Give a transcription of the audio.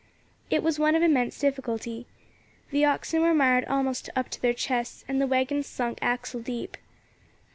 It was one of immense difficulty. The oxen were mired almost up to their chests, and the waggons sunk axle deep.